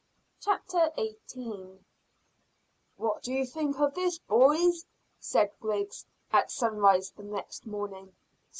CHAPTER EIGHTEEN. PEACE AND PLENTY. "What do you think of this, boys?" said Griggs, at sunrise the next morning.